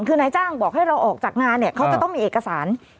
คือนายจ้างบอกให้เราออกจากงานเนี่ยเขาจะต้องมีเอกสาร